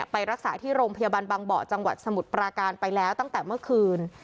ไปรักษาที่โรงพยาบาลบางเบาะจังหวัดสมุทรปราการไปแล้วตั้งแต่เมื่อคืน